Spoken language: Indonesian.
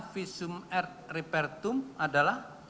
visum et repertum adalah